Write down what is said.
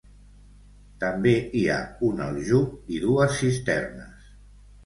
També hi ha un aljub i dues cisternes.